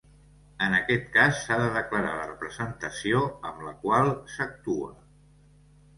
En aquest cas, s'ha de declarar la representació amb la qual s'actua.